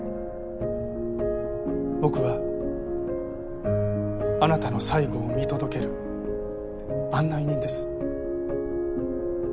僕はあなたの最後を見届ける案内人です。